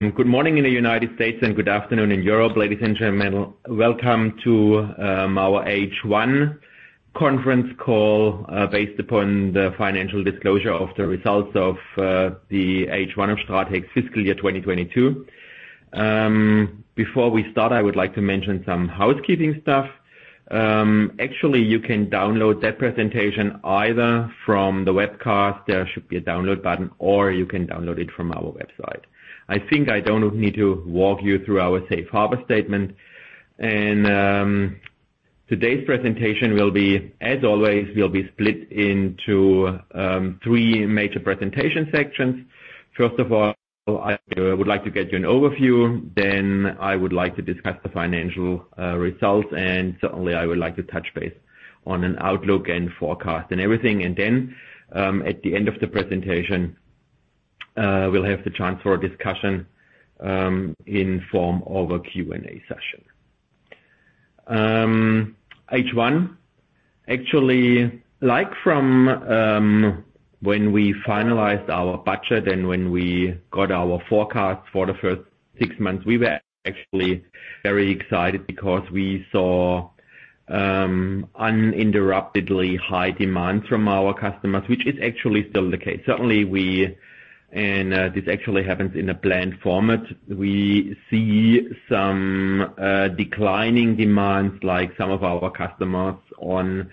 Good morning in the U.S. And good afternoon in Europe, ladies and gentlemen. Welcome to our H1 conference call based upon the financial disclosure of the results of the H1 of Stratec's fiscal year 2022. Before we start, I would like to mention some housekeeping stuff. Actually, you can download that presentation either from the webcast, there should be a download button, or you can download it from our website. I think I don't need to walk you through our safe harbor statement. Today's presentation will be, as always, split into three major presentation sections. First of all, I would like to get you an overview. I would like to discuss the financial results, and certainly I would like to touch base on an outlook and forecast and everything. At the end of the presentation, we'll have the chance for a discussion in the form of a Q&A session. H1, actually, like from when we finalized our budget and when we got our forecast for the first six months, we were actually very excited because we saw uninterruptedly high demand from our customers, which is actually still the case. Certainly, this actually is happening as planned. We see some declining demands, like some of our customers on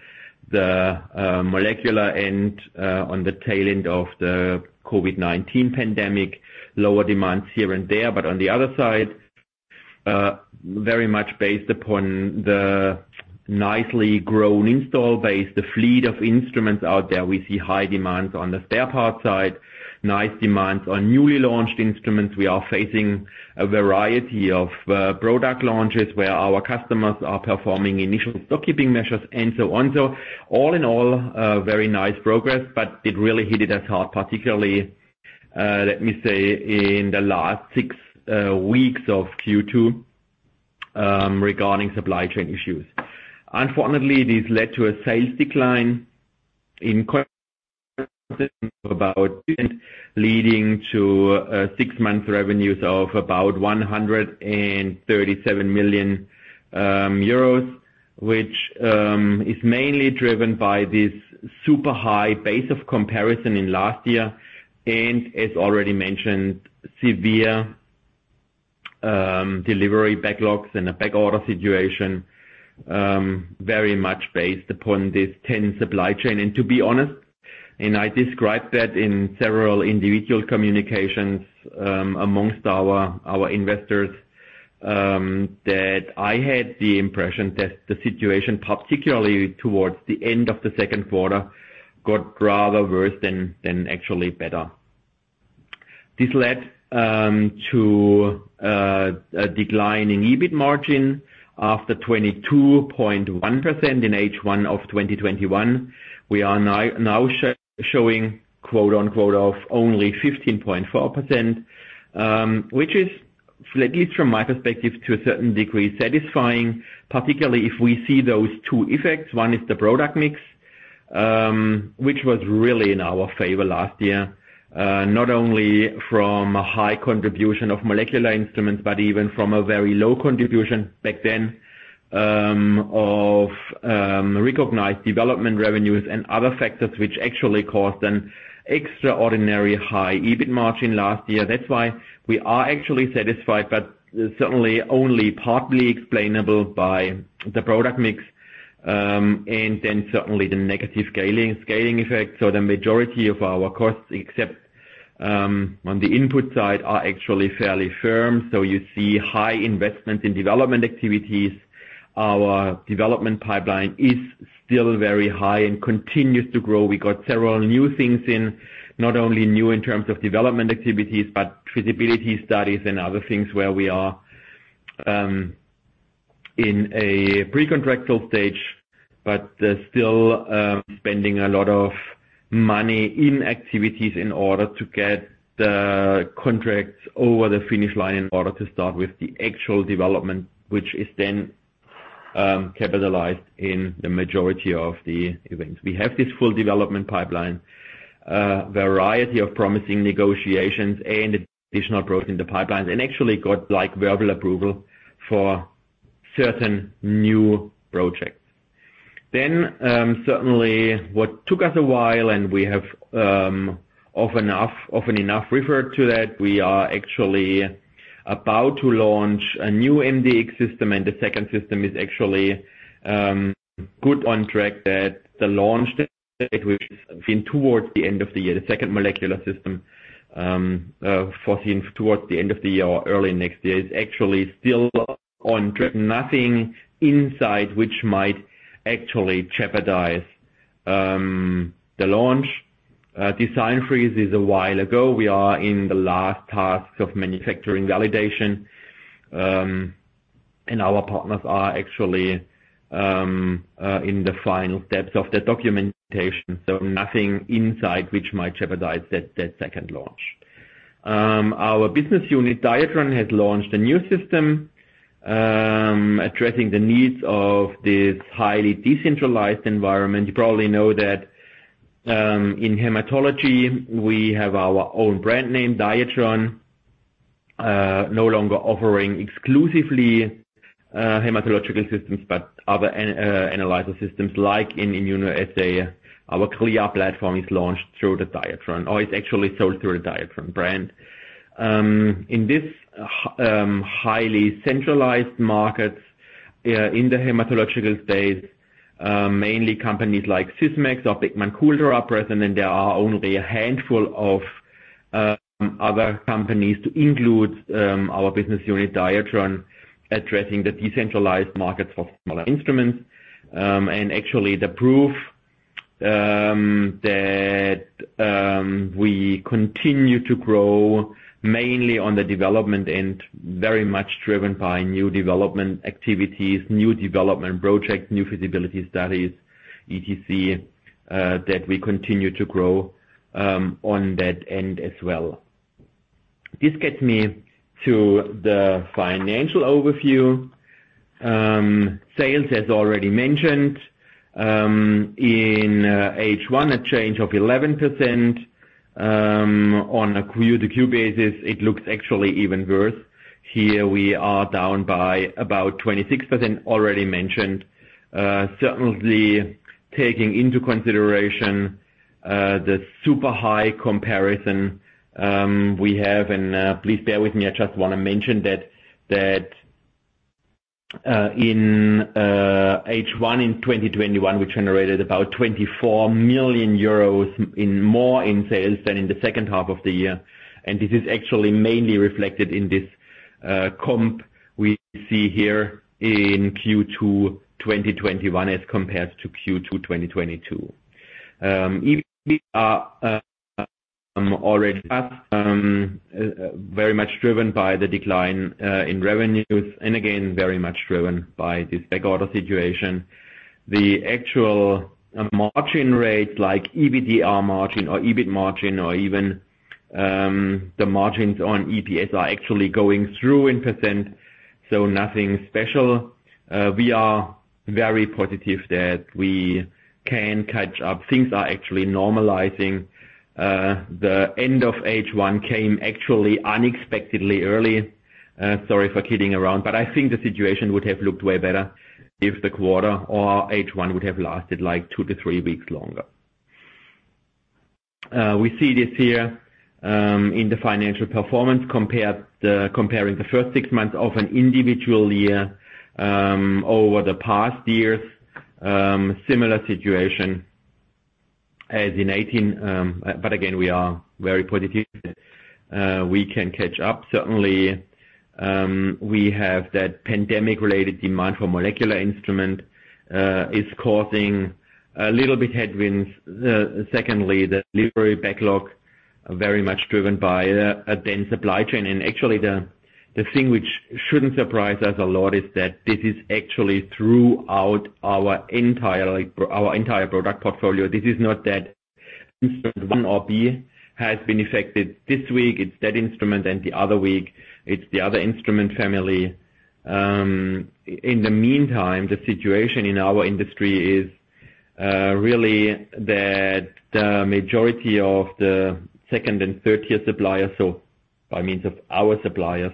the molecular end, on the tail end of the COVID-19 pandemic, lower demands here and there. On the other side, very much based upon the nicely grown installed base, the fleet of instruments out there, we see high demands on the spare parts side, nice demands on newly launched instruments. We are facing a variety of product launches where our customers are performing initial stock keeping measures, and so on. All in all, a very nice progress, but it really hit us hard, particularly, let me say, in the last six weeks of Q2, regarding supply chain issues. Unfortunately, this led to a sales decline leading to six months revenues of about 137 million euros, which is mainly driven by this super high base of comparison in last year. As already mentioned, severe delivery backlogs and a back order situation, very much based upon this tense supply chain. To be honest, I described that in several individual communications amongst our investors that I had the impression that the situation, particularly towards the end of the second quarter, got rather worse than actually better. This led to a decline in EBIT margin after 22.1% in H1 of 2021. We are now showing quote-unquote of only 15.4%, which is, at least from my perspective, to a certain degree, satisfying, particularly if we see those two effects. One is the product mix, which was really in our favor last year, not only from a high contribution of molecular instruments, but even from a very low contribution back then of recognized development revenues and other factors which actually caused an extraordinary high EBIT margin last year. That's why we are actually satisfied, but certainly only partly explainable by the product mix, and then certainly the negative scaling effect. The majority of our costs, except on the input side, are actually fairly firm. You see high investment in development activities. Our development pipeline is still very high and continues to grow. We got several new things in, not only new in terms of development activities, but feasibility studies and other things where we are in a pre-contractual stage, but still spending a lot of money in activities in order to get the contracts over the finish line in order to start with the actual development, which is then capitalized in the majority of the events. We have this full development pipeline, a variety of promising negotiations and additional growth in the pipelines, and actually got like verbal approval for certain new projects. Certainly what took us a while, and we have often enough referred to that, we are actually about to launch a new MDx system, and the second system is actually good on track that the launch date, which has been towards the end of the year, the second molecular system foreseen towards the end of the year or early next year, is actually still on track. Nothing in sight which might actually jeopardize the launch. Design freeze is a while ago. We are in the last tasks of manufacturing validation, and our partners are actually in the final steps of the documentation. Nothing in sight which might jeopardize that second launch. Our business unit, Diatron, has launched a new system addressing the needs of this highly decentralized environment. You probably know that in hematology, we have our own brand name, Diatron, no longer offering exclusively hematological systems, but other analyzer systems like in immunoassay. Our KleeYa platform is launched through the Diatron, or it's actually sold through the Diatron brand. In this highly centralized markets in the hematological space, mainly companies like Sysmex or Beckman Coulter are present, and there are only a handful of other companies to include our business unit, Diatron, addressing the decentralized markets of smaller instruments. Actually the proof that we continue to grow mainly on the development and very much driven by new development activities, new development projects, new feasibility studies, etc., that we continue to grow on that end as well. This gets me to the financial overview. Sales, as already mentioned, in H1, a change of 11%. On a Q-to-Q basis, it looks actually even worse. Here we are down by about 26%, already mentioned. Certainly taking into consideration the super high comparison we have, and please bear with me, I just wanna mention that in H1 in 2021, we generated about 24 million euros more in sales than in the second half of the year. This is actually mainly reflected in this comp we see here in Q2 2021 as compared to Q2 2022. Already tough, very much driven by the decline in revenues, and again, very much driven by this backorder situation. The actual margin rates like EBITDA margin or EBIT margin or even the margins on EPS are actually going through in percent, so nothing special. We are very positive that we can catch up. Things are actually normalizing. The end of H1 came actually unexpectedly early. Sorry for kidding around, but I think the situation would have looked way better if the quarter or H1 would have lasted like two to three weeks longer. We see this here in the financial performance comparing the first six months of an individual year over the past years. Similar situation as in 2018, but again, we are very positive. We can catch up. Certainly, we have that pandemic-related demand for molecular instrument is causing a little bit headwinds. Secondly, the delivery backlog, very much driven by a dense supply chain. Actually, the thing which shouldn't surprise us a lot is that this is actually throughout our entire product portfolio. This is not that instrument one or B has been affected this week, it's that instrument, and the other week, it's the other instrument family. In the meantime, the situation in our industry is really that the majority of the second and third-tier suppliers, so by means of our suppliers,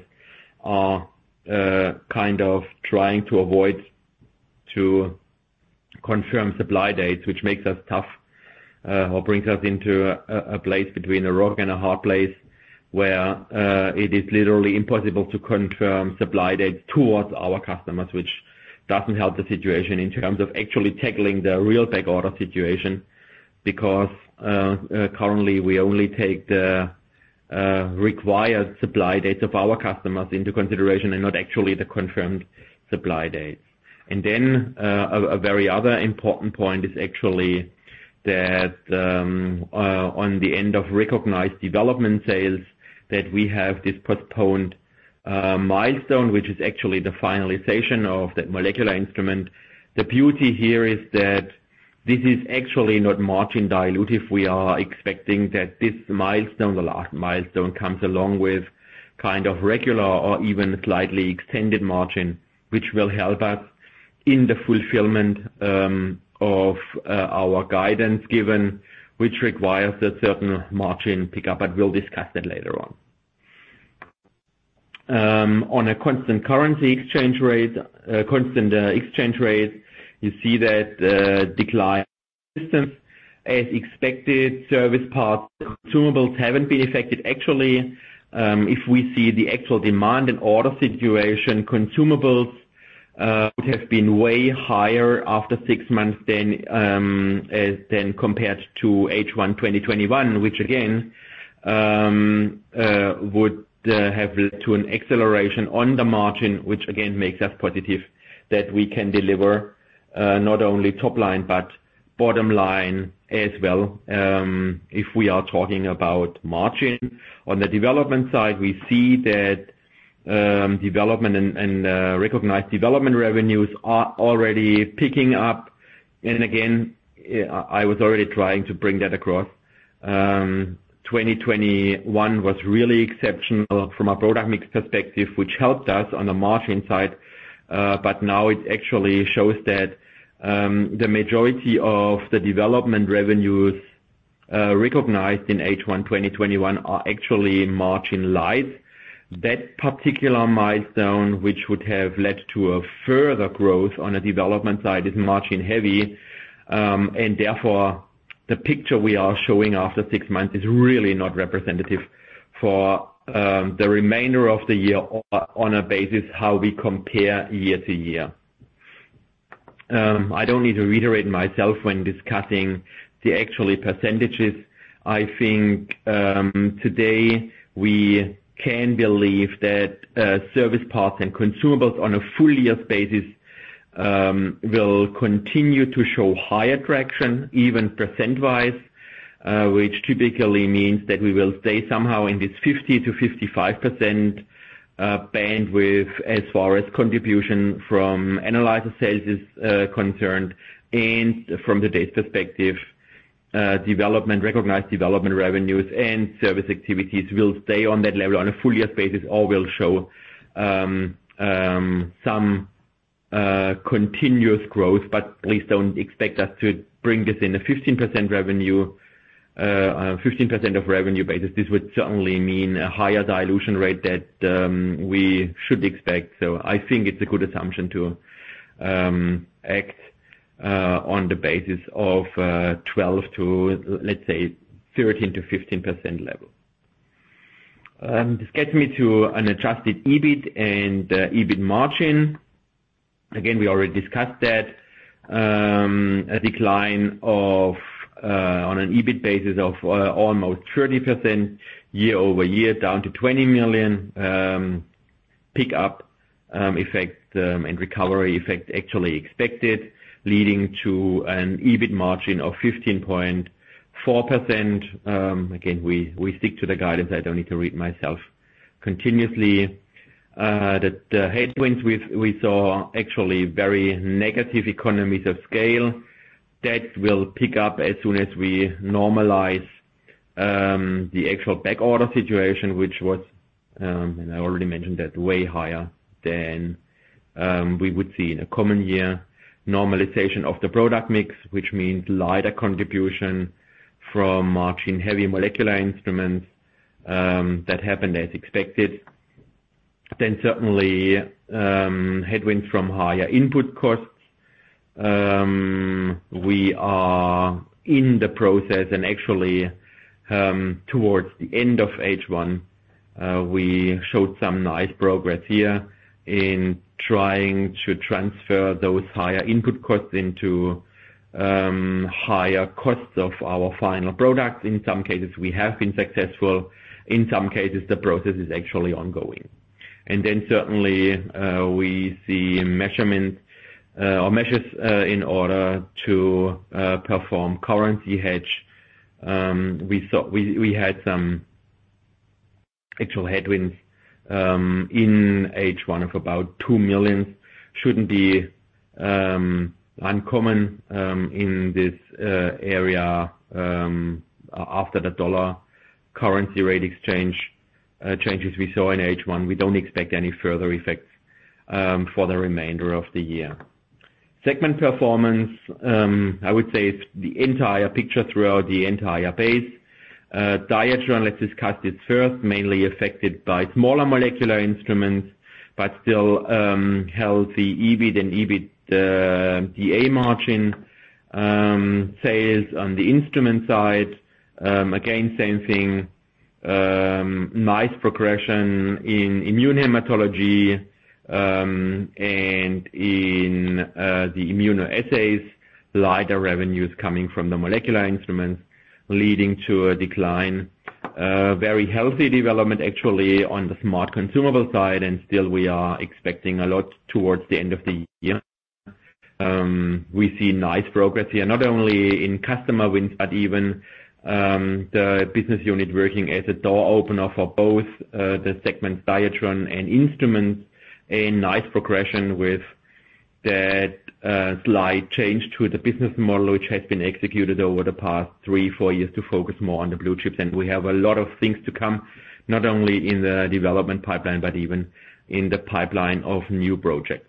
are kind of trying to avoid to confirm supply dates, which makes it tough or brings us into a place between a rock and a hard place where it is literally impossible to confirm supply dates towards our customers, which doesn't help the situation in terms of actually tackling the real backorder situation. Because currently, we only take the required supply dates of our customers into consideration and not actually the confirmed supply dates. Another very important point is actually that at the end of recognized development sales, we have this postponed milestone, which is actually the finalization of that molecular instrument. The beauty here is that this is actually not margin dilutive. We are expecting that this milestone, the last milestone, comes along with kind of regular or even slightly extended margin, which will help us in the fulfillment of our guidance given, which requires a certain margin pickup, but we'll discuss that later on. On a constant currency exchange rate, you see that decline in systems as expected. Service Parts and Consumables haven't been affected. Actually, if we see the actual demand and order situation, consumables would have been way higher after six months than compared to H1 2021, which again would have led to an acceleration on the margin, which again makes us positive that we can deliver not only top line, but bottom line as well, if we are talking about margin. On the development side, we see that development and recognized development revenues are already picking up. Again, I was already trying to bring that across. 2021 was really exceptional from a product mix perspective, which helped us on the margin side. Now it actually shows that the majority of the development revenues recognized in H1 2021 are actually margin light. That particular milestone, which would have led to a further growth on a development side, is margin heavy. Therefore the picture we are showing after six months is really not representative for the remainder of the year on a basis, how we compare year-to-year. I don't need to reiterate myself when discussing the actual percentages. I think today we can believe that Service Parts and Consumables on a full year basis will continue to show higher traction even percent-wise, which typically means that we will stay somehow in this 50%-55% bandwidth as far as contribution from analyzer sales is concerned. From the D&S perspective, development-recognized development revenues and service activities will stay on that level on a full year basis, or will show some continuous growth. Please don't expect us to bring this in a 15% revenue, 15% of revenue basis. This would certainly mean a higher dilution rate that we should expect. I think it's a good assumption to act on the basis of 12 to, let's say, 13%-15% level. This gets me to an adjusted EBIT and EBIT margin. Again, we already discussed that. A decline of on an EBIT basis of almost 30% year-over-year, down to EUR 20 million, pickup effect and recovery effect actually expected leading to an EBIT margin of 15.4%. Again, we stick to the guidance. I don't need to read myself continuously. The headwinds we saw actually very negative economies of scale that will pick up as soon as we normalize the actual backorder situation, which was, and I already mentioned that, way higher than we would see in a common year. Normalization of the product mix, which means lighter contribution from margin-heavy molecular instruments, that happened as expected. Certainly, headwinds from higher input costs. We are in the process and actually, towards the end of H1, we showed some nice progress here in trying to transfer those higher input costs into higher costs of our final products. In some cases, we have been successful. In some cases, the process is actually ongoing. Certainly, we see measures in order to perform currency hedge. We had some actual headwinds in H1 of about 2 million. Shouldn't be uncommon in this area after the dollar currency rate exchange changes we saw in H1. We don't expect any further effects for the remainder of the year. Segment performance, I would say it's the entire picture throughout the entire base. Diatron, let's discuss this first. Mainly affected by smaller molecular instruments, but still healthy EBIT and EBITDA margin sales on the instrument side. Again, same thing, nice progression in immunohematology and in the immunoassays, lighter revenues coming from the molecular instruments leading to a decline. Very healthy development actually on the smart consumables side, and still we are expecting a lot towards the end of the year. We see nice progress here, not only in customer wins, but even the business unit working as a door opener for both the segment Diatron and instruments. A nice progression with that slight change to the business model, which has been executed over the past three, four years to focus more on the blue chips. We have a lot of things to come, not only in the development pipeline, but even in the pipeline of new projects.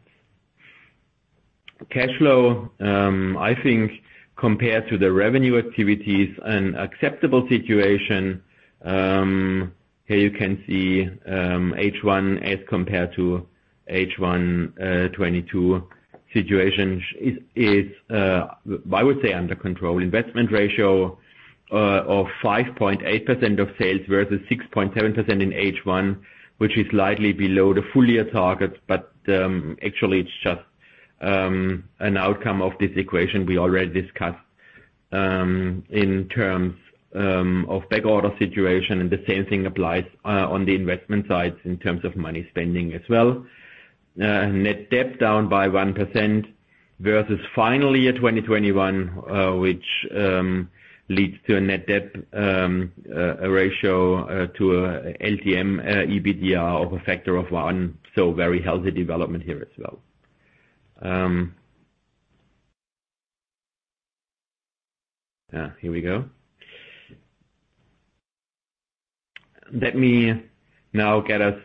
Cash flow, I think compared to the revenue activities, an acceptable situation. Here you can see H1 as compared to H1 2022 situation is under control. Investment ratio of 5.8% of sales versus 6.7% in H1, which is slightly below the full year target. Actually, it's just an outcome of this equation we already discussed in terms of backorder situation. The same thing applies on the investment side in terms of money spending as well. Net debt down by 1% versus FY 2021, which leads to a net debt ratio to LTM EBITDA of a factor of one. Very healthy development here as well. Here we go. Let me now get us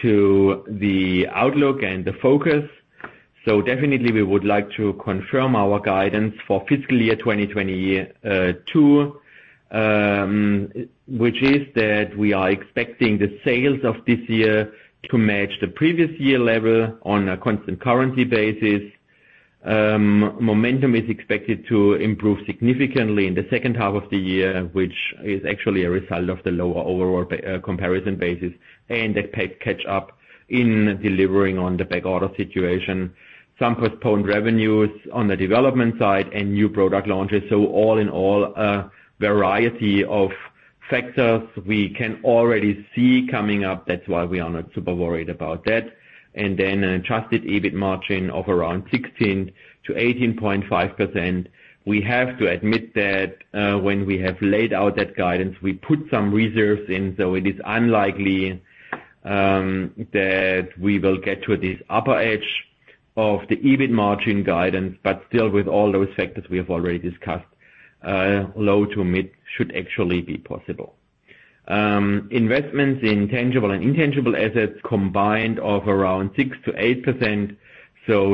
to the outlook and the focus. Definitely we would like to confirm our guidance for fiscal year 2022, which is that we are expecting the sales of this year to match the previous year level on a constant currency basis. Momentum is expected to improve significantly in the second half of the year, which is actually a result of the lower overall comparison basis and a catch up in delivering on the back order situation. Some postponed revenues on the development side and new product launches. All in all, a variety of factors we can already see coming up. That's why we are not super worried about that. Adjusted EBIT margin of around 16%-18.5%. We have to admit that, when we have laid out that guidance, we put some reserves in. It is unlikely that we will get to this upper edge of the EBIT margin guidance. Still, with all those factors we have already discussed, low to mid should actually be possible. Investments in tangible and intangible assets combined of around 6%-8%.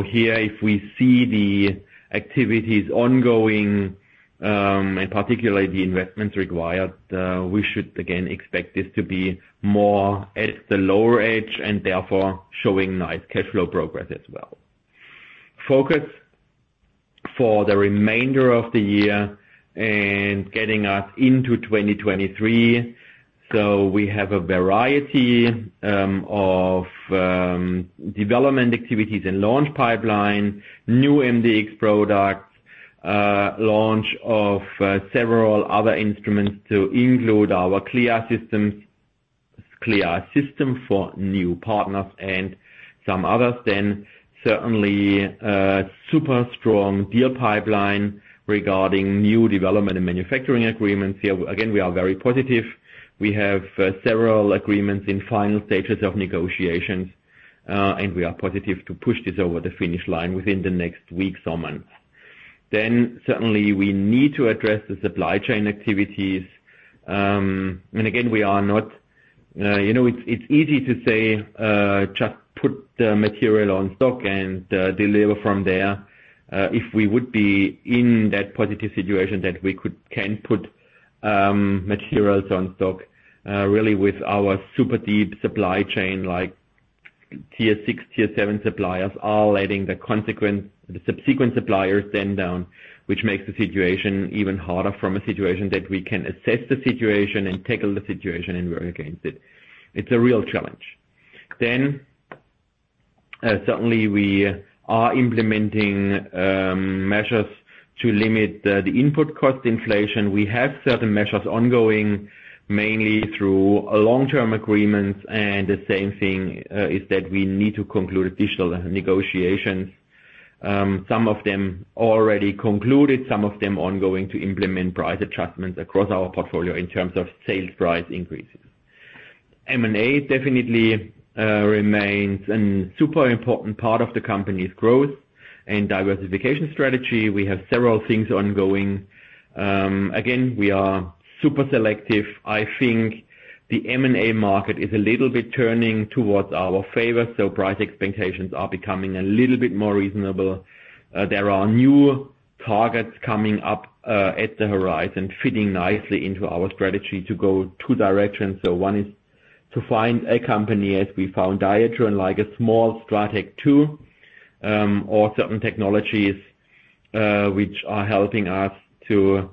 Here, if we see the activities ongoing, and particularly the investments required, we should again expect this to be more at the lower edge and therefore showing nice cash flow progress as well. Focus for the remainder of the year and getting us into 2023. We have a variety of development activities and launch pipeline, new MDx products, launch of several other instruments to include our KleeYa systems, KleeYa system for new partners and some others. Certainly a super strong deal pipeline regarding new development and manufacturing agreements. Here again, we are very positive. We have several agreements in final stages of negotiations, and we are positive to push this over the finish line within the next weeks or months. Certainly we need to address the supply chain activities. You know, it's easy to say, just put the material on stock and deliver from there. If we would be in that positive situation that we can put materials on stock, really with our super deep supply chain, like tier six, tier seven suppliers, all letting the subsequent suppliers then down, which makes the situation even harder from a situation that we can assess the situation and tackle the situation and work against it. It's a real challenge. Certainly we are implementing measures to limit the input cost inflation. We have certain measures ongoing, mainly through long-term agreements. The same thing is that we need to conclude additional negotiations. Some of them already concluded, some of them ongoing to implement price adjustments across our portfolio in terms of sales price increases. M&A definitely remains a super important part of the company's growth and diversification strategy. We have several things ongoing. Again, we are super selective. I think the M&A market is a little bit turning towards our favor, so price expectations are becoming a little bit more reasonable. There are new targets coming up on the horizon, fitting nicely into our strategy to go two directions. One is to find a company, as we found Diatron, like a small Stratec too, or certain technologies, which are helping us to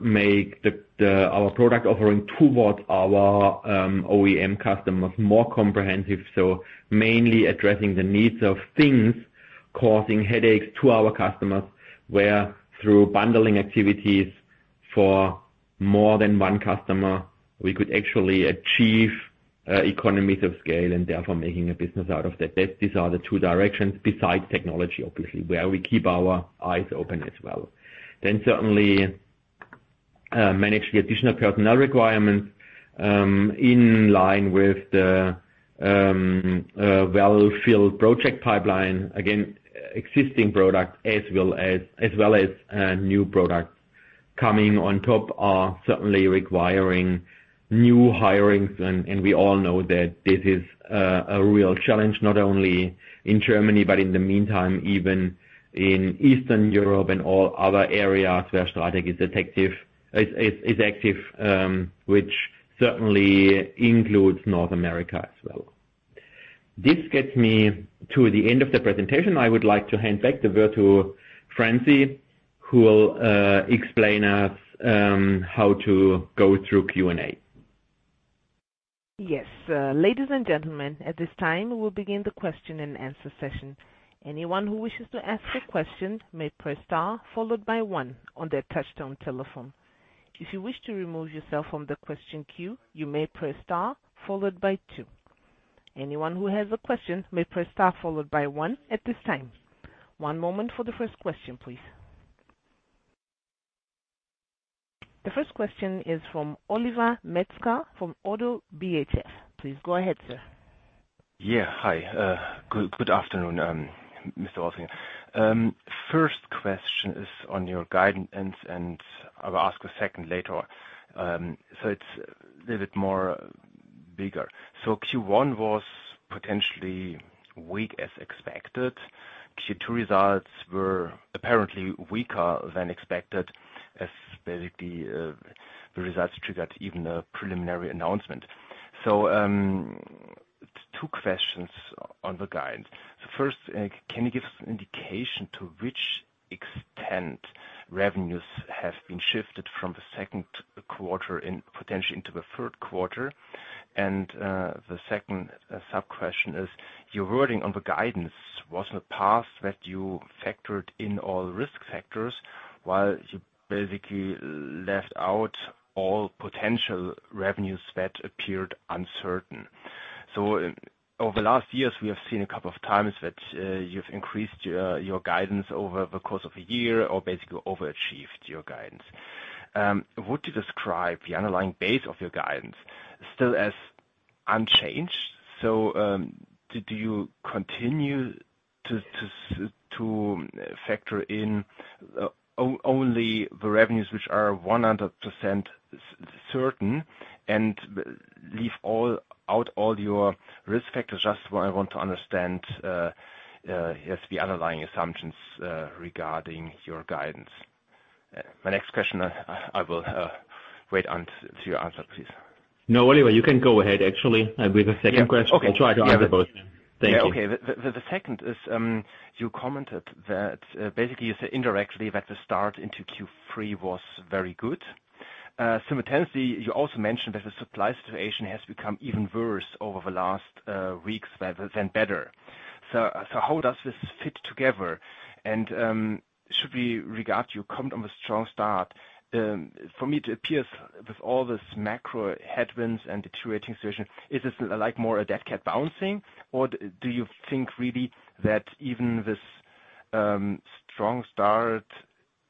make our product offering towards our OEM customers more comprehensive. Mainly addressing the needs of things causing headaches to our customers, where through bundling activities for more than one customer, we could actually achieve economies of scale and therefore making a business out of that. These are the two directions besides technology, obviously, where we keep our eyes open as well. Certainly manage the additional personnel requirements in line with the well-filled project pipeline. Again, existing products as well as new products coming on top are certainly requiring new hirings. We all know that this is a real challenge, not only in Germany, but in the meantime even in Eastern Europe and all other areas where Stratec is active, which certainly includes North America as well. This gets me to the end of the presentation. I would like to hand back over to Francie, who will explain to us how to go through Q&A. Yes. Ladies and gentlemen, at this time we'll begin the question-and-answer session. Anyone who wishes to ask a question may press star followed by one on their touch-tone telephone. If you wish to remove yourself from the question queue, you may press star followed by two. Anyone who has a question may press star followed by one at this time. One moment for the first question, please. The first question is from Oliver Metzger from ODDO BHF. Please go ahead, sir. Yeah. Hi. Good afternoon, Mr. First question is on your guidance, and I will ask a second later. It's a little bit more bigger. Q1 was potentially weak as expected. Q2 results were apparently weaker than expected, as basically, the results triggered even a preliminary announcement. Two questions on the guide. First, can you give us an indication to which extent revenues have been shifted from the second quarter potentially into the third quarter? And, the second sub-question is, your wording on the guidance was in the past that you factored in all risk factors, while you basically left out all potential revenues that appeared uncertain. Over the last years, we have seen a couple of times that, you've increased your guidance over the course of a year or basically overachieved your guidance. Would you describe the underlying base of your guidance still as unchanged? Did you continue to factor in only the revenues which are 100% certain and leave out all your risk factors? Just what I want to understand is the underlying assumptions regarding your guidance. My next question, I will wait on to your answer, please. No, anyway, you can go ahead actually with the second question. Yeah. Okay. I'll try to answer both. Thank you. Yeah, okay. The second is you commented that basically you said indirectly that the start into Q3 was very good. Simultaneously, you also mentioned that the supply situation has become even worse over the last weeks rather than better. How does this fit together? Should we regard your comment on the strong start despite all this macro headwinds and deteriorating situation? Is this like more a dead cat bouncing? Do you think really that even this strong start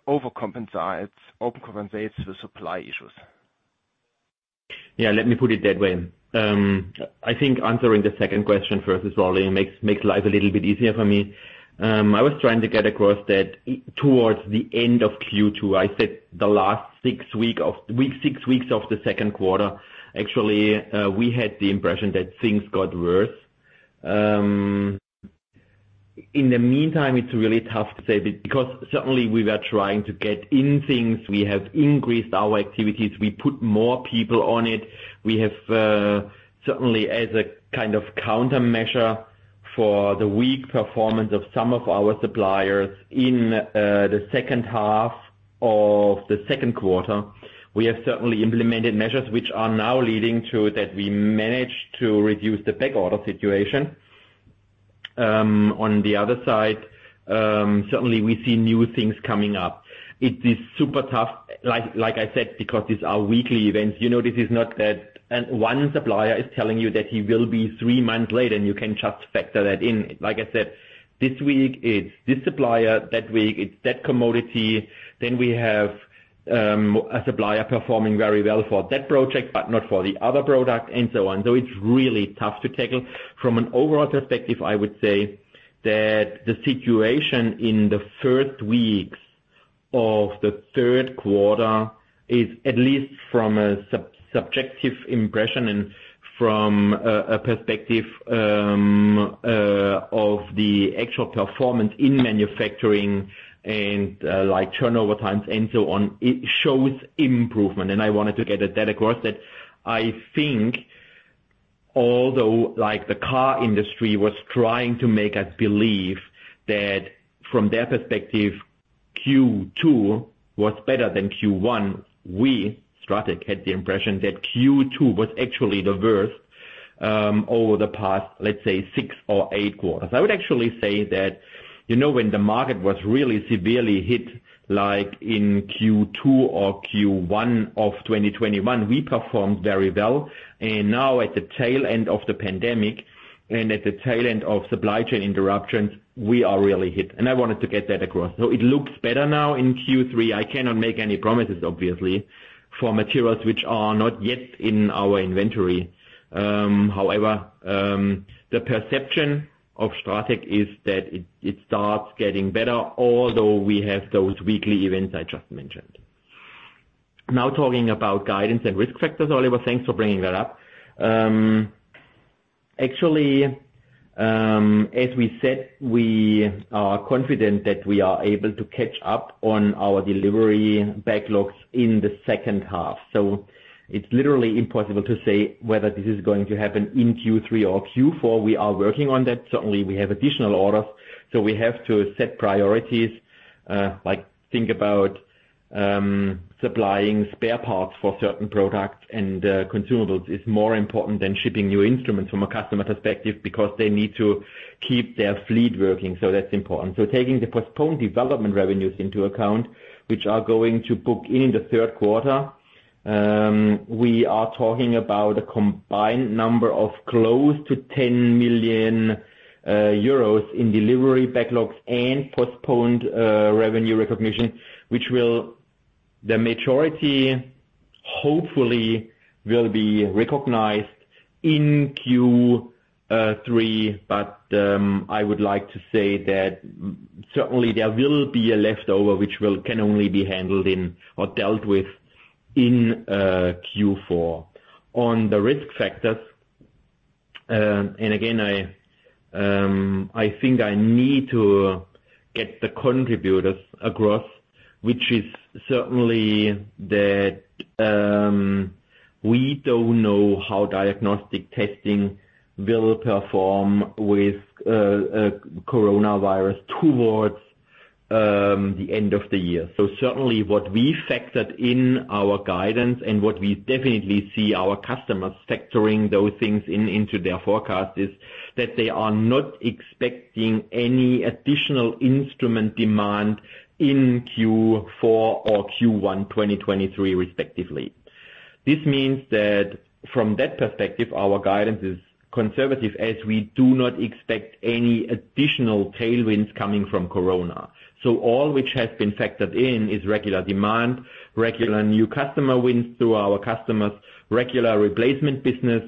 overcompensates the supply issues? Yeah, let me put it that way. I think answering the second question first as well, it makes life a little bit easier for me. I was trying to get across that towards the end of Q2, I said the last six weeks of the second quarter, actually, we had the impression that things got worse. In the meantime, it's really tough to say, because certainly we were trying to get in things. We have increased our activities. We put more people on it. We have certainly as a kind of countermeasure for the weak performance of some of our suppliers in the second half of the second quarter. We have certainly implemented measures which are now leading to that we managed to reduce the backorder situation. On the other side, certainly we see new things coming up. It is super tough, like I said, because these are weekly events. You know, this is not that one supplier is telling you that he will be three months late, and you can just factor that in. Like I said, this week it's this supplier, that week it's that commodity. We have a supplier performing very well for that project, but not for the other product and so on. It's really tough to tackle. From an overall perspective, I would say that the situation in the first weeks of the third quarter is at least from a subjective impression and from a perspective of the actual performance in manufacturing and like turnover times and so on, it shows improvement. I wanted to get that across that I think although, like, the car industry was trying to make us believe that from their perspective, Q2 was better than Q1, we, Stratec, had the impression that Q2 was actually the worst over the past, let's say, six or eight quarters. I would actually say that, you know, when the market was really severely hit, like in Q2 or Q1 of 2021, we performed very well. Now at the tail end of the pandemic and at the tail end of supply chain interruptions, we are really hit. I wanted to get that across. It looks better now in Q3. I cannot make any promises, obviously, for materials which are not yet in our inventory. However, the perception of Stratec is that it starts getting better, although we have those weekly events I just mentioned. Now talking about guidance and risk factors, Oliver, thanks for bringing that up. Actually, as we said, we are confident that we are able to catch up on our delivery backlogs in the second half. It's literally impossible to say whether this is going to happen in Q3 or Q4. We are working on that. Certainly, we have additional orders. We have to set priorities, like think about supplying spare parts for certain products and consumables is more important than shipping new instruments from a customer perspective because they need to keep their fleet working. That's important. Taking the postponed development revenues into account, which are going to book in the third quarter, we are talking about a combined number of close to 10 million euros in delivery backlogs and postponed revenue recognition, which the majority hopefully will be recognized in Q3, but I would like to say that certainly there will be a leftover which can only be handled in or dealt with in Q4. On the risk factors, I think I need to get the contributors across, which is certainly that we don't know how diagnostic testing will perform with coronavirus towards the end of the year. Certainly what we factored in our guidance and what we definitely see our customers factoring those things in, into their forecast is that they are not expecting any additional instrument demand in Q4 or Q1 2023 respectively. This means that from that perspective, our guidance is conservative, as we do not expect any additional tailwinds coming from Corona. All which has been factored in is regular demand, regular new customer wins through our customers, regular replacement business.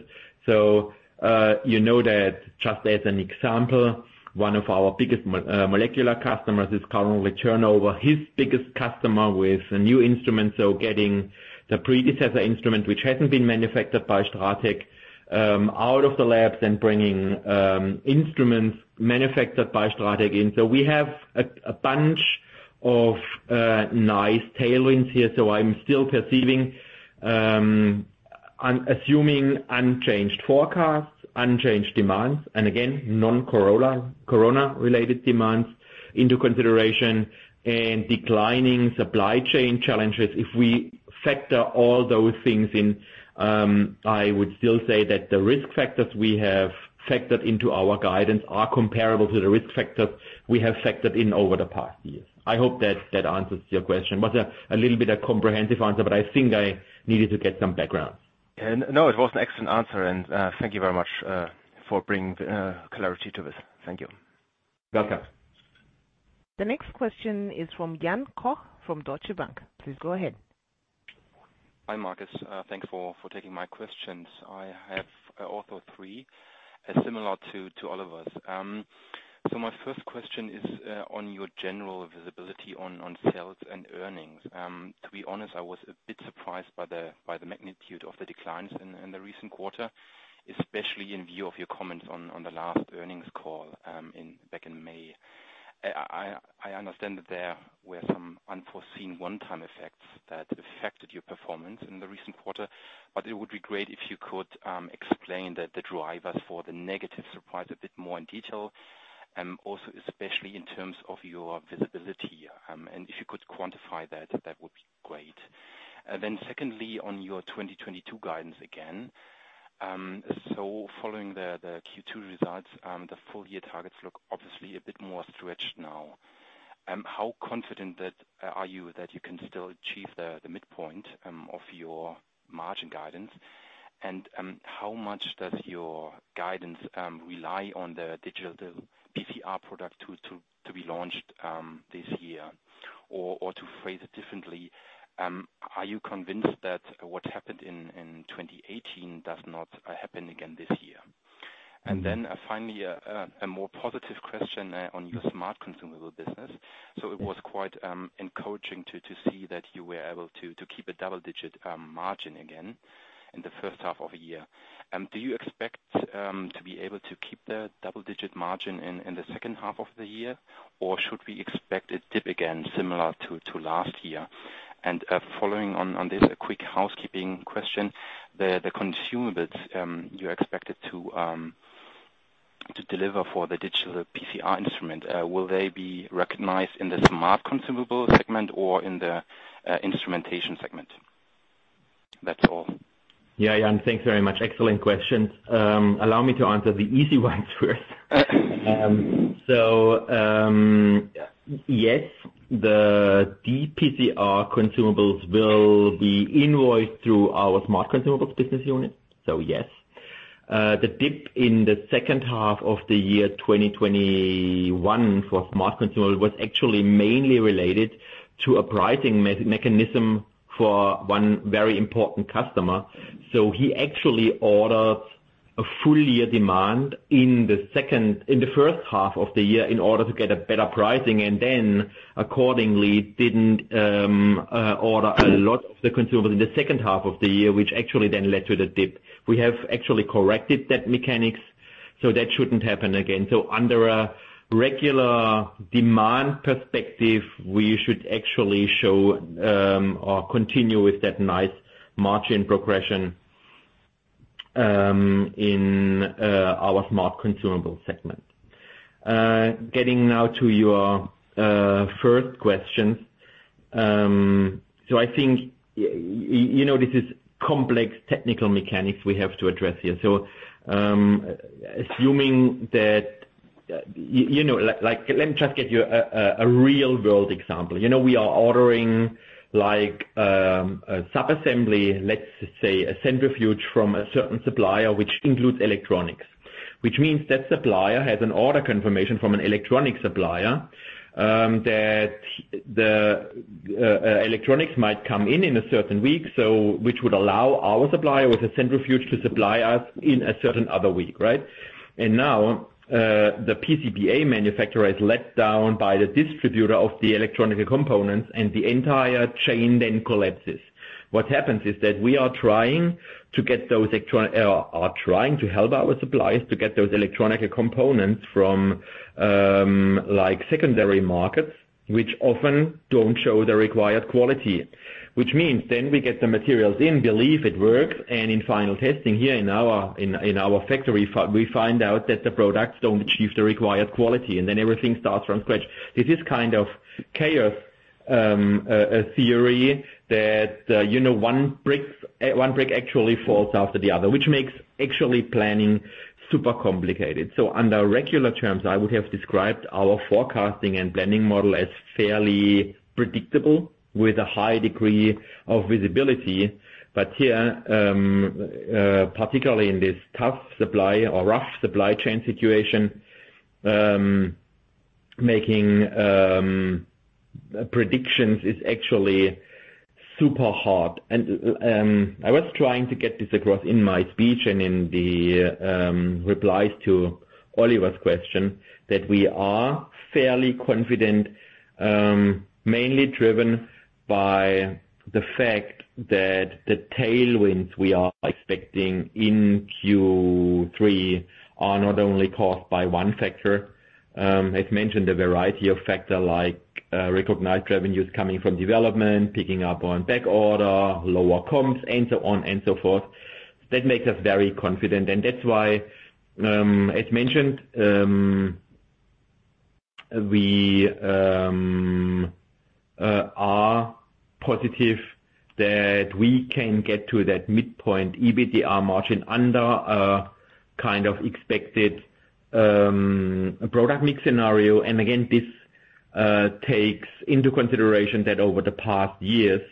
You know that just as an example, one of our biggest molecular customers is currently turning over his biggest customer with a new instrument. Getting the predecessor instrument, which hasn't been manufactured by Stratec, out of the labs and bringing instruments manufactured by Stratec in. We have a bunch of nice tailwinds here. I'm still perceiving, assuming unchanged forecasts, unchanged demands, and again, non-COVID-19, COVID-19-related demands into consideration and declining supply chain challenges. If we factor all those things in, I would still say that the risk factors we have factored into our guidance are comparable to the risk factors we have factored in over the past years. I hope that that answers your question. That was a little bit of a comprehensive answer, but I think I needed to get some background. No, it was an excellent answer, and thank you very much for bringing clarity to this. Thank you. Welcome. The next question is from Jan Koch from Deutsche Bank. Please go ahead. Hi, Marcus. Thanks for taking my questions. I have also three, similar to Oliver's. My first question is on your general visibility on sales and earnings. To be honest, I was a bit surprised by the magnitude of the declines in the recent quarter, especially in view of your comments on the last earnings call back in May. I understand that there were some unforeseen one-time effects that affected your performance in the recent quarter, but it would be great if you could explain the drivers for the negative surprise a bit more in detail, also especially in terms of your visibility, and if you could quantify that would be great. Secondly, on your 2022 guidance again. Following the Q2 results, the full year targets look obviously a bit more stretched now. How confident are you that you can still achieve the midpoint of your margin guidance? How much does your guidance rely on the digital PCR product to be launched this year? To phrase it differently, are you convinced that what happened in 2018 does not happen again this year? Finally, a more positive question on your smart consumables business. It was quite encouraging to see that you were able to keep a double-digit margin again in the first half of a year. Do you expect to be able to keep the double-digit margin in the second half of the year, or should we expect it dip again similar to last year? Following on this, a quick housekeeping question. The consumables you expected to deliver for the digital PCR instrument, will they be recognized in the smart consumable segment or in the instrumentation segment? That's all. Yeah, Jan, thanks very much. Excellent questions. Allow me to answer the easy ones first. Yes, the dPCR consumables will be invoiced through our smart consumables business unit. Yes. The dip in the second half of 2021 for smart consumable was actually mainly related to a pricing mechanism for one very important customer. He actually orders a full year demand in the first half of the year in order to get a better pricing, and then accordingly, didn't order a lot of the consumables in the second half of the year, which actually then led to the dip. We have actually corrected that mechanism, so that shouldn't happen again. Under a regular demand perspective, we should actually show or continue with that nice margin progression in our smart consumable segment. Getting now to your first question. I think you know, this is complex technical mechanics we have to address here. Assuming that you know, like, let me just get you a real-world example. You know, we are ordering, like, a sub-assembly, let's say a centrifuge from a certain supplier, which includes electronics. Which means that supplier has an order confirmation from an electronic supplier that the electronics might come in in a certain week, so which would allow our supplier with a centrifuge to supply us in a certain other week, right? Now, the PCBA manufacturer is let down by the distributor of the electronic components, and the entire chain then collapses. What happens is that we are trying to help our suppliers to get those electronic components from like secondary markets, which often don't show the required quality. Which means then we get the materials in, believe it works, and in final testing here in our factory, we find out that the products don't achieve the required quality, and then everything starts from scratch. It is kind of chaos, a theory that you know one brick actually falls after the other, which makes actually planning super complicated. Under regular terms, I would have described our forecasting and planning model as fairly predictable with a high degree of visibility. Here, particularly in this tough supply or rough supply chain situation, making predictions is actually super hard. I was trying to get this across in my speech and in the replies to Oliver's question that we are fairly confident, mainly driven by the fact that the tailwinds we are expecting in Q3 are not only caused by one factor. As mentioned, a variety of factor like recognized revenues coming from development, picking up on back order, lower comps, and so on and so forth. That makes us very confident. That's why, as mentioned, we are positive that we can get to that midpoint EBITDA margin under a kind of expected product mix scenario. Again, this takes into consideration that over the past years,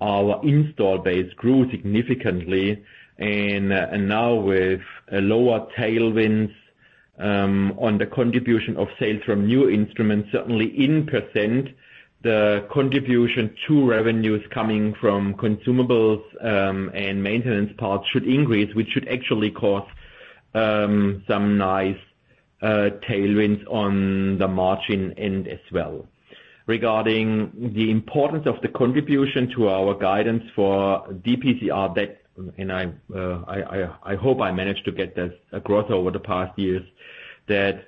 our install base grew significantly. Now with lower tailwinds on the contribution of sales from new instruments, certainly in percent, the contribution to revenues coming from consumables and maintenance parts should increase, which should actually cause some nice tailwinds on the margin end as well. Regarding the importance of the contribution to our guidance for dPCR, I hope I managed to get this across over the past years, that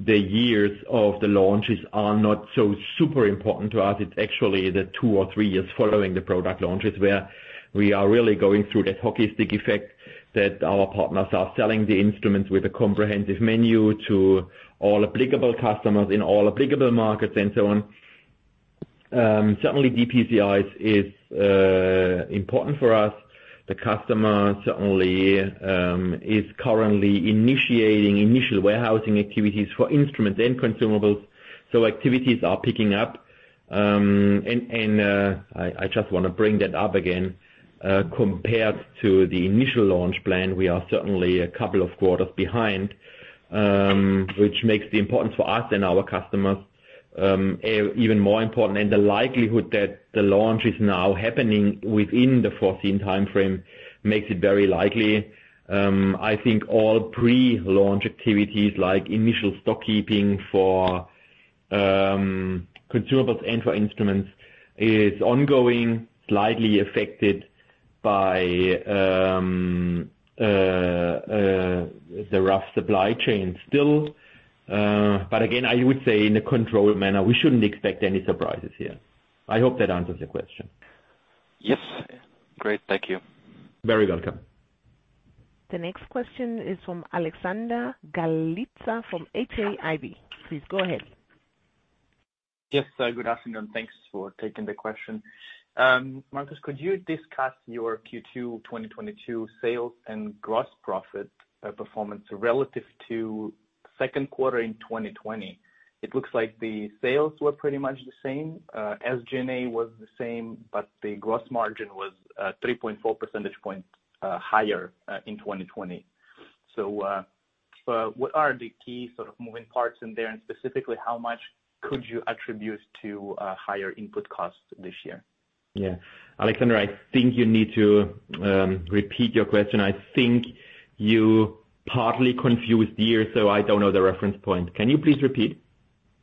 the years of the launches are not so super important to us. It's actually the two or three years following the product launches where we are really going through that hockey stick effect that our partners are selling the instruments with a comprehensive menu to all applicable customers in all applicable markets and so on. Certainly dPCR is important for us. The customer certainly is currently initiating initial warehousing activities for instruments and consumables, so activities are picking up. I just wanna bring that up again. Compared to the initial launch plan, we are certainly a couple of quarters behind, which makes the importance for us and our customers even more important. The likelihood that the launch is now happening within the foreseen timeframe makes it very likely. I think all pre-launch activities like initial stock keeping for consumables and for instruments is ongoing, slightly affected by the rough supply chain still. Again, I would say in a controlled manner, we shouldn't expect any surprises here. I hope that answers your question. Yes. Great. Thank you. Very welcome. The next question is from Aliaksandr Halitsa from H&A. Please go ahead. Yes, good afternoon. Thanks for taking the question. Markus, could you discuss your Q2 2022 sales and gross profit performance relative to second quarter in 2020? It looks like the sales were pretty much the same as G&A was the same, but the gross margin was 3.4 percentage point higher in 2020. What are the key sort of moving parts in there? Specifically, how much could you attribute to higher input costs this year? Yeah. Alexander, I think you need to repeat your question. I think you partly confused years, so I don't know the reference point. Can you please repeat?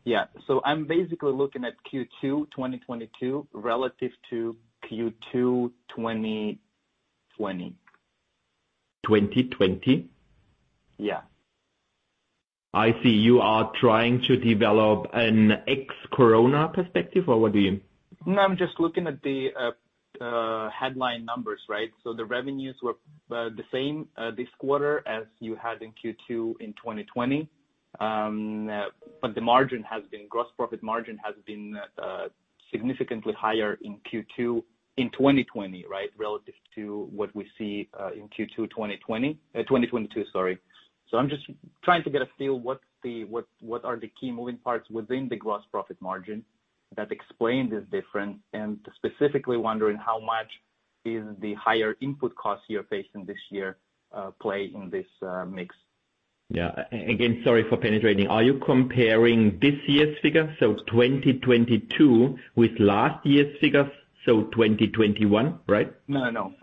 Yeah. I'm basically looking at Q2 2022 relative to Q2 2020. 2020? Yeah. I see. You are trying to develop an ex-corona perspective or what do you? No, I'm just looking at the headline numbers, right? The revenues were the same this quarter as you had in Q2 in 2020. Gross profit margin has been significantly higher in Q2 in 2020, right? Relative to what we see in Q2 2022, sorry. I'm just trying to get a feel what are the key moving parts within the gross profit margin that explain this difference and specifically wondering how much is the higher input costs you're facing this year play in this mix? Yeah. Again, sorry for interrupting. Are you comparing this year's figures, so 2022 with last year's figures, so 2021, right? No.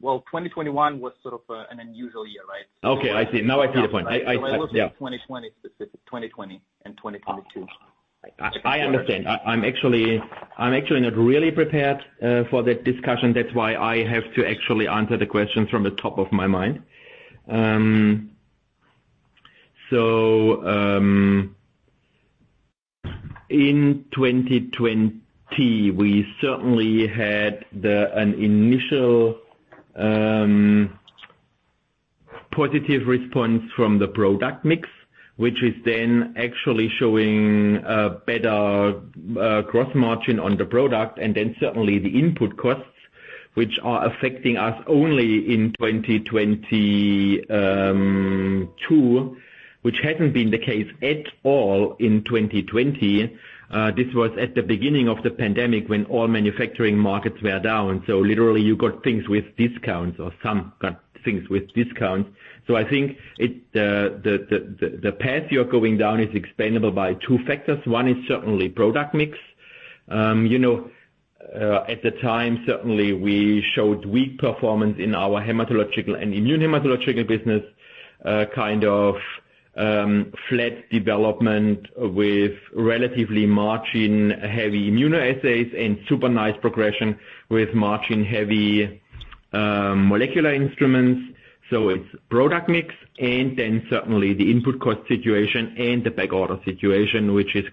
Well, 2021 was sort of an unusual year, right? Okay, I see. Now I see your point. Yeah. I was looking at 2020 specific, 2020 and 2022. I understand. I'm actually not really prepared for that discussion. That's why I have to actually answer the question from the top of my mind. In 2020, we certainly had an initial positive response from the product mix, which is then actually showing a better gross margin on the product and then certainly the input costs, which are affecting us only in 2022, which hadn't been the case at all in 2020. This was at the beginning of the pandemic when all manufacturing markets were down. Literally you got things with discounts or some got things with discounts. I think the path you're going down is explainable by two factors. One is certainly product mix. You know, at the time, certainly we showed weak performance in our hematological and immunohematology business, kind of flat development with relatively margin-heavy immunoassays and super nice progression with margin-heavy molecular instruments. It's product mix, and then certainly the input cost situation and the backorder situation, which is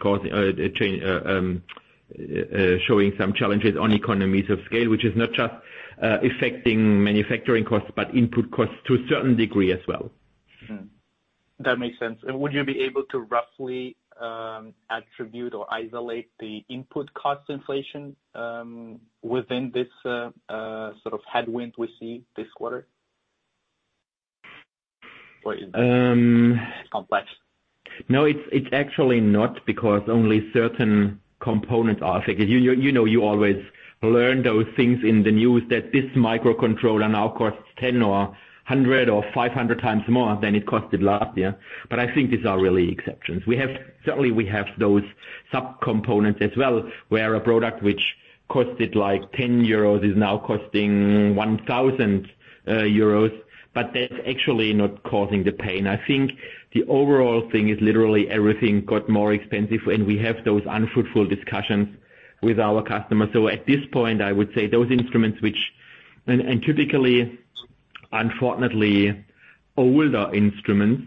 showing some challenges on economies of scale, which is not just affecting manufacturing costs, but input costs to a certain degree as well. Mm-hmm. That makes sense. Would you be able to roughly attribute or isolate the input cost inflation within this sort of headwind we see this quarter? Or is it complex? No, it's actually not because only certain components are affected. You know, you always learn those things in the news that this microcontroller now costs 10 or 100 or 500x more than it costed last year. I think these are really exceptions. We certainly have those subcomponents as well, where a product which costed like 10 euros is now costing 1,000 euros, but that's actually not causing the pain. I think the overall thing is literally everything got more expensive, and we have those unfruitful discussions with our customers. At this point, I would say those instruments which. Typically, unfortunately, older instruments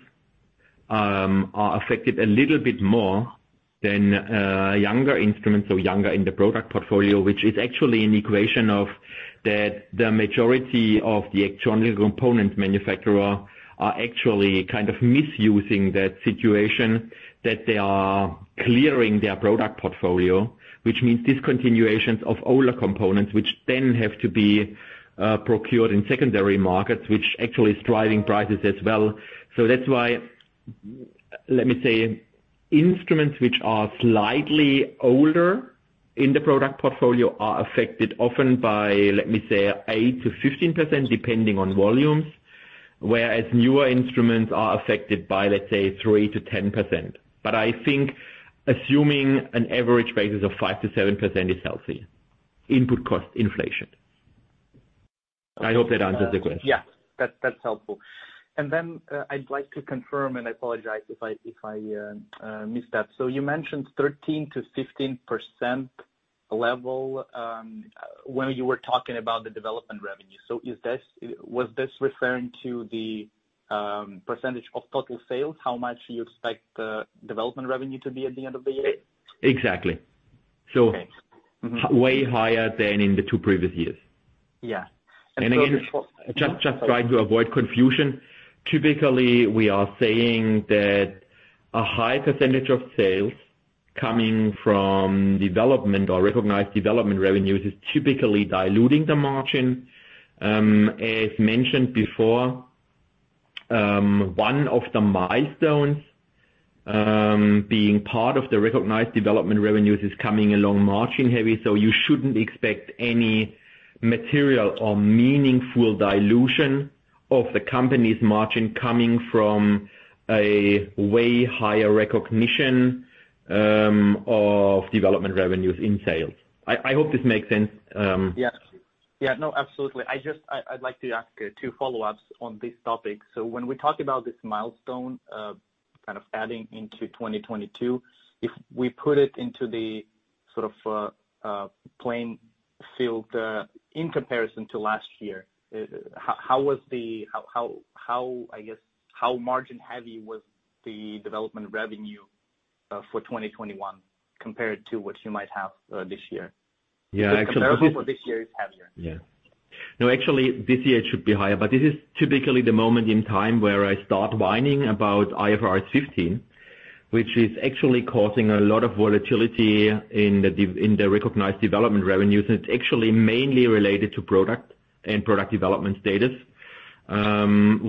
are affected a little bit more than younger instruments or younger in the product portfolio, which is actually an explanation of that the majority of the electronic component manufacturer are actually kind of misusing that situation, that they are clearing their product portfolio, which means discontinuations of older components, which then have to be procured in secondary markets, which actually is driving prices as well. That's why, let me say, instruments which are slightly older in the product portfolio are affected often by, let me say, 8%-15% depending on volumes, whereas newer instruments are affected by, let's say, 3%-10%. I think assuming an average basis of 5%-7% is healthy input cost inflation. I hope that answers the question. Yeah, that's helpful. I'd like to confirm, and I apologize if I missed that. You mentioned 13%-15% level, when you were talking about the development revenue. Was this referring to the percentage of total sales? How much you expect the development revenue to be at the end of the year? Exactly. Okay. Mm-hmm. Way higher than in the two previous years. Yeah. Again, just trying to avoid confusion. Typically, we are saying that a high percentage of sales coming from development or recognized development revenues is typically diluting the margin. As mentioned before, one of the milestones being part of the recognized development revenues is coming along margin-heavy. You shouldn't expect any material or meaningful dilution of the company's margin coming from a way higher recognition of development revenues in sales. I hope this makes sense. Yeah. Yeah, no, absolutely. I'd like to ask two follow-ups on this topic. When we talk about this milestone kind of adding into 2022, if we put it into the sort of playing field in comparison to last year, how margin-heavy was the development revenue for 2021 compared to what you might have this year? Yeah. Actually, this. The comparison for this year is heavier. Yeah. No, actually this year it should be higher, but this is typically the moment in time where I start whining about IFRS 15, which is actually causing a lot of volatility in the recognized development revenues, and it's actually mainly related to product and development status.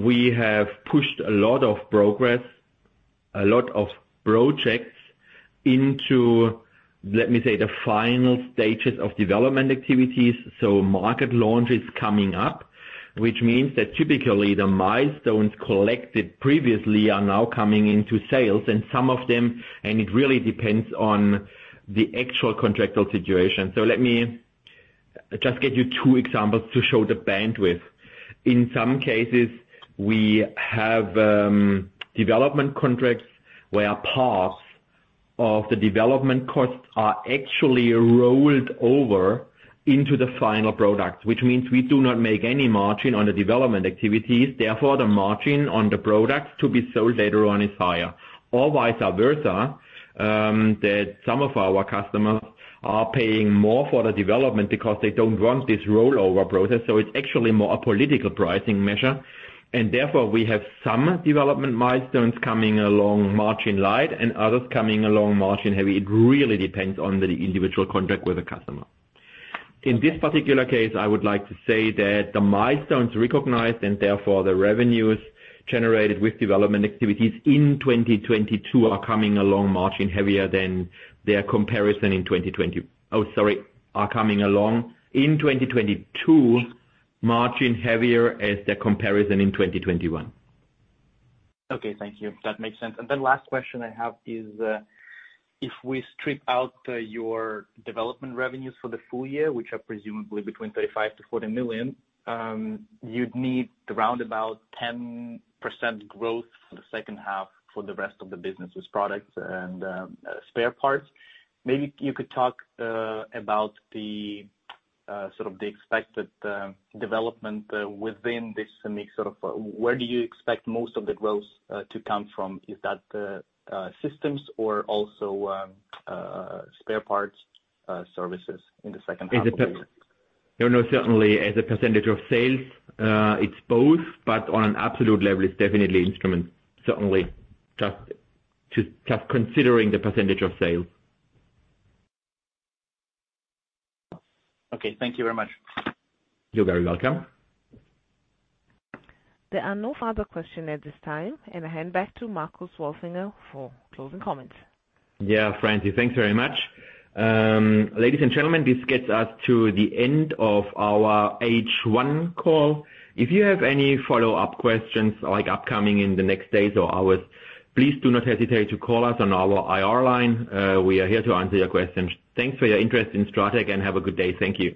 We have pushed a lot of projects into, let me say, the final stages of development activities. Market launch is coming up, which means that typically the milestones collected previously are now coming into sales and some of them. It really depends on the actual contractual situation. Let me just get you two examples to show the bandwidth. In some cases, we have development contracts where parts of the development costs are actually rolled over into the final product, which means we do not make any margin on the development activities, therefore, the margin on the products to be sold later on is higher. Vice versa, that some of our customers are paying more for the development because they don't want this rollover process. It's actually more a political pricing measure, and therefore we have some development milestones coming along margin light and others coming along margin heavy. It really depends on the individual contract with the customer. In this particular case, I would like to say that the milestones recognized and therefore the revenues generated with development activities in 2022 are coming along margin heavier than their comparison in 2020. Orders are coming along in 2022, margin heavier as the comparison in 2021. Okay, thank you. That makes sense. Last question I have is, if we strip out your development revenues for the full year, which are presumably between 35 million-40 million, you'd need around about 10% growth for the second half for the rest of the businesses products and spare parts. Maybe you could talk about the sort of the expected development within this mix. Sort of where do you expect most of the growth to come from? Is that systems or also spare parts, services in the second half of the year? You know, certainly as a percentage of sales, it's both, but on an absolute level, it's definitely instruments, certainly. Just considering the percentage of sales. Okay, thank you very much. You're very welcome. There are no further questions at this time. I hand back to Marcus Wolfinger for closing comments. Yeah, Operator, thanks very much. Ladies and gentlemen, this gets us to the end of our H1 call. If you have any follow-up questions, like upcoming in the next days or hours, please do not hesitate to call us on our IR line. We are here to answer your questions. Thanks for your interest in Stratec, and have a good day. Thank you.